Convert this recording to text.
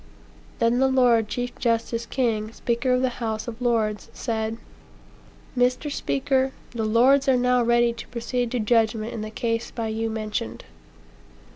"Then the Lord Chief Justice King, Speaker of the House of Lords, said: 'Mr. Speaker, the Lords are now ready to proceed to judgment in the case by you mentioned.'